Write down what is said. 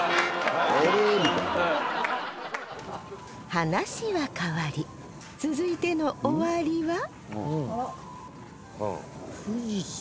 話は変わり続いての「終わり」は富士山。